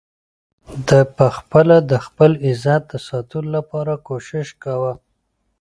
ده په خپله د خپل عزت د ساتلو لپاره کوشش کاوه.